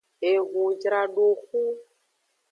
Ehunjradoxu.